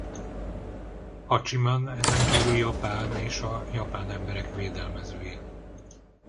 Hacsiman ezen kívül Japán és a japán emberek védelmezője.